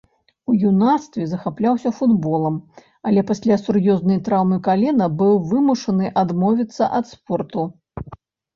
У юнацтве захапляўся футболам, але пасля сур'ёзнай траўмы калена быў вымушаны адмовіцца ад спорту.